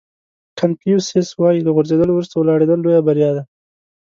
کانفیوسیس وایي له غورځېدلو وروسته ولاړېدل لویه بریا ده.